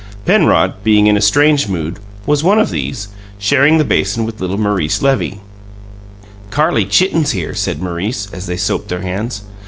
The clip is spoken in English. Penrod, being in a strange mood, was one of these, sharing the basin with little Maurice Levy. "Carrie Chitten's here," said Maurice, as they soaped their hands.